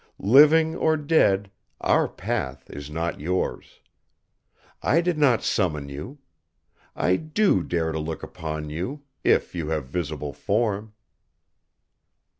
Living or dead, our path is not yours. I did not summon you. I do dare look upon you, if you have visible form."